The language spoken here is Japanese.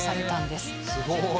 すごい。